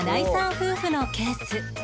夫婦のケース